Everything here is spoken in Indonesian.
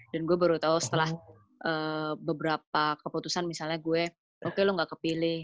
dan gue baru tau setelah beberapa keputusan misalnya gue oke lo gak kepilih